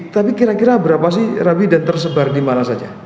tapi kira kira berapa sih rabi dan tersebar di mana saja